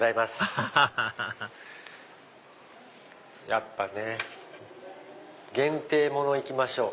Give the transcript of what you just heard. アハハハやっぱね限定ものいきましょう。